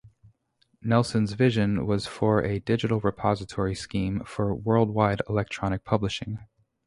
Nelson's vision was for a "digital repository scheme for world-wide electronic publishing".